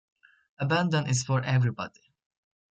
Abandon is for everybody.